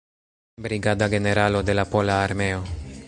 Brigada generalo de la Pola Armeo.